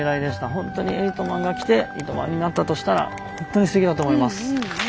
本当にエイトマンが来て糸満になったとしたら本当にすてきだと思います。